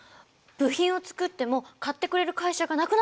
部品を作っても買ってくれる会社がなくなっちゃう。